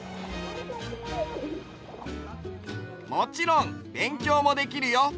もちろんべんきょうもできるよ。